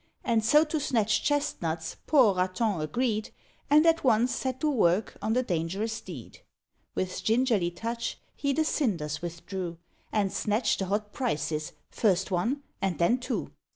And so to snatch chesnuts poor Raton agreed, And at once set to work on the dangerous deed. With gingerly touch he the cinders withdrew, And snatched the hot prizes, first one, and then two.